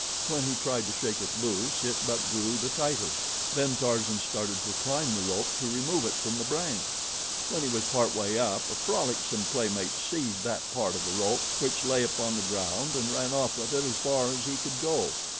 When he tried to shake it loose it but drew the tighter. Then Tarzan started to climb the rope to remove it from the branch. When he was part way up a frolicsome playmate seized that part of the rope which lay upon the ground and ran off with it as far as he could go.